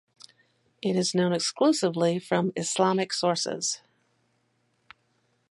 It is known exclusively from Islamic sources.